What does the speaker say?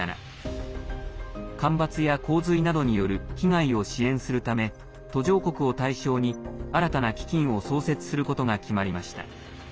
干ばつや洪水などによる被害を支援するため途上国を対象に新たな基金を創設することが決まりました。